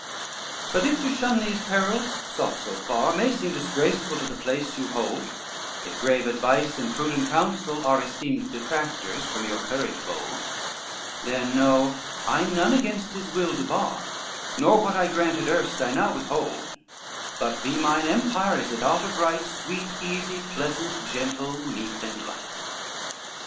IV "But if to shun these perils, sought so far, May seem disgraceful to the place yon hold; If grave advice and prudent counsel are Esteemed detractors from your courage bold; Then know, I none against his will debar, Nor what I granted erst I now withhold; But he mine empire, as it ought of right, Sweet, easy, pleasant, gentle, meek and light.